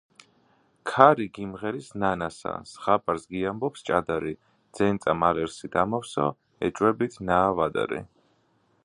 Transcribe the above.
ქარი გიმღერის ნანასა, ზღაპარს გიამბობს ჭადარი... ძეწნამ ალერსით ამავსო ეჭვებით ნაავადარი...